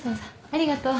ありがとう。